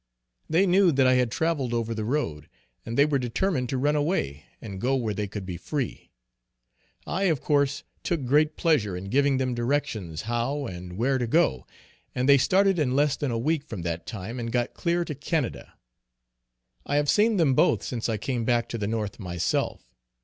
They knew that I had travelled over the road, and they were determined to run away and go where they could be free. I of course took great pleasure in giving them directions how and where to go, and they started in less than a week from that time and got clear to Canada. I have seen them both since I came back to the north myself.